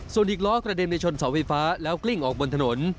ส่วนอีกล้อกระเด็นไปชนเสาไฟฟ้าแล้วกลิ้งออกบนถนน